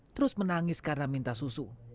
terus menangis karena minta susu